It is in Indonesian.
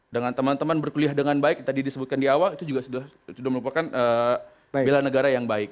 dengan teman teman berkuliah dengan baik tadi disebutkan di awal itu juga sudah berkuliah dengan baik